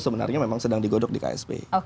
sebenarnya memang sedang digodok di ksp